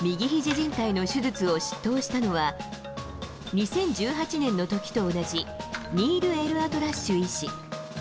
じん帯の手術を執刀したのは、２０１８年のときと同じ、ニール・エルアトラッシュ医師。